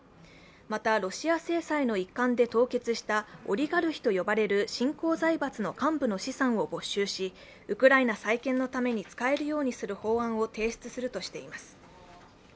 また、ロシア制裁の一環で凍結したオリガルヒと呼ばれる新興財閥の幹部の資産を没収しウクライナ再建のために使えるようにする法案を提出するとしています。